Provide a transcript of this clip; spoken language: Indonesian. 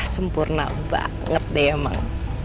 sempurna banget deh emang